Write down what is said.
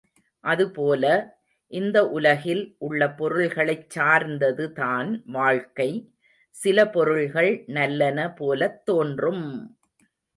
அதுபோல, இந்த உலகில் உள்ள பொருள்களைச் சார்ந்தது தான் வாழ்க்கை, சில பொருள்கள் நல்லன போலத் தோன்றும்!